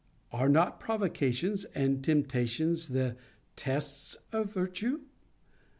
'Are not provocations and temptations the tests of virtue?